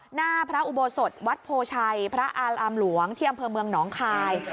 หน้าพระอุโบสถวัดโพชัยพระอารามหลวงที่อำเภอเมืองหนองคาย